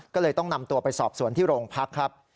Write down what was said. ก็เลยต้องนำตัวไปสอบสวนที่โรงพักครับ